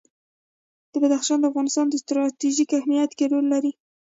بدخشان د افغانستان په ستراتیژیک اهمیت کې رول لري.